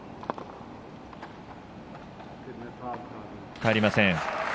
返りません。